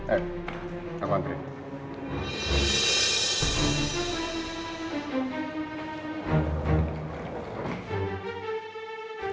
eh aku antarin